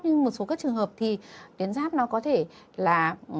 nhưng một số các trường hợp thì tuyến giáp nó có thể là